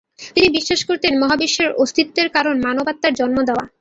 তিনি বিশ্বাস করতেন মহাবিশ্বের অস্তিত্বের কারণ মানব আত্মার জন্ম দেয়া।